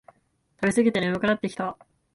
食べすぎて眠くなってきた